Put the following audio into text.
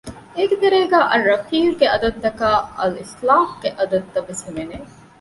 އޭގެ ތެރޭގައި އައްރަފީޤު ގެ އަދަދުތަކާއި އަލްއިޞްލާހު ގެ އަދަދުތައް ވެސް ހިމެނެ